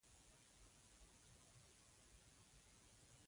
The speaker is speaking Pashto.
د امریکا دفاع وزارت ویلي چې دا کښتۍ به عملیات پیاوړي کړي.